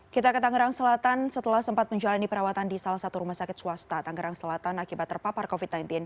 kita ke tangerang selatan setelah sempat menjalani perawatan di salah satu rumah sakit swasta tangerang selatan akibat terpapar covid sembilan belas